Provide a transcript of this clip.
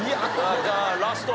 じゃあラスト。